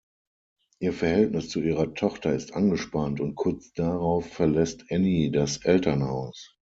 Ihr Verhältnis zu ihrer Tochter ist angespannt, und kurz darauf verlässt Annie das Elternhaus.